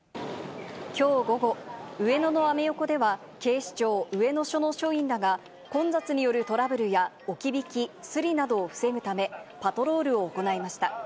きょう午後、上野のアメ横では、警視庁上野署の署員らが、混雑によるトラブルや置き引き、スリなどを防ぐため、パトロールを行いました。